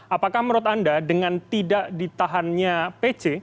apakah menurut anda dengan tidak ditahannya pc